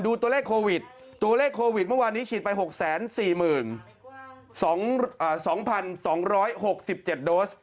ตัวเลขโควิดตัวเลขโควิดเมื่อวานนี้ฉีดไป๖๔๒๒๖๗โดส